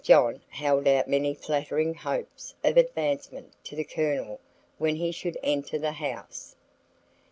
John held out many flattering hopes of advancement to the Colonel when he should enter the House.